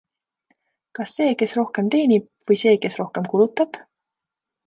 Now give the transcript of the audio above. Kas see, kes rohkem teenib, või see, kes rohkem kulutab?